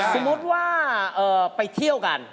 สมมุติว่าไปเที่ยวกัน